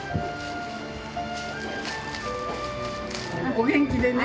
お元気でね。